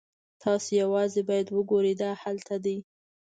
تاسو یوازې باید وګورئ دا هلته دی